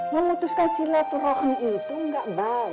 mengutuskan si laturohmi itu gak baik